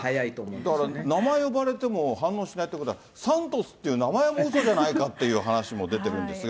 だから、名前呼ばれても反応しないということは、サントスっていう名前もうそじゃないかって話も出てるんですが。